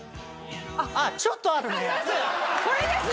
あっちょっとあるね。あります！